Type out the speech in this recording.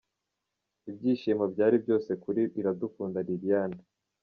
Ibyishimo byari byose kuri Iradukunda Liliane.